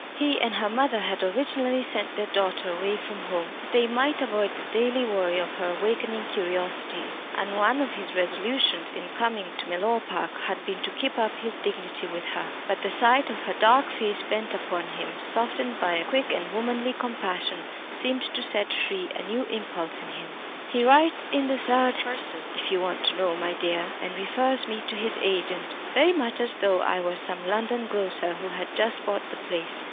He and her mother had originally sent their daughter away from home that they might avoid the daily worry of her awakening curiosities, and one of his resolutions in coming to Mellor Park had been to keep up his dignity with her. But the sight of her dark face bent upon him, softened by a quick and womanly compassion, seemed to set free a new impulse in him. "He writes in the third person, if you want to know, my dear, and refers me to his agent, very much as though I were some London grocer who had just bought the place.